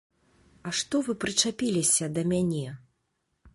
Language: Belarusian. А што вы прычапіліся да мяне?